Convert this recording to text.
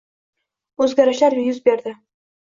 o‘zgarishlar yuz berdi.